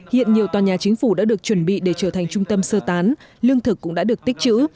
hiện nhiều tòa nhà chính phủ đã được chuẩn bị để trở thành trung tâm sơ tán lương thực cũng đã được tích chữ